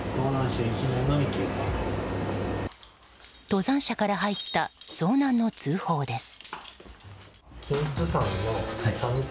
登山者から入った遭難の通報です。